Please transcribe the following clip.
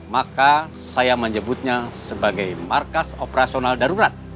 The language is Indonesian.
maka saya menyebutnya sebagai markas operasional darurat